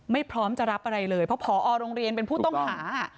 พร้อมจะรับอะไรเลยเพราะผอโรงเรียนเป็นผู้ต้องหา